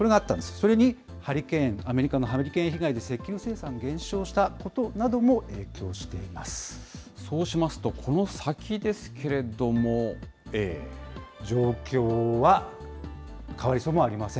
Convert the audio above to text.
それにハリケーン、アメリカのハリケーン被害で石油生産が減少したことなどそうしますと、この先ですけ状況は変わりそうもありません。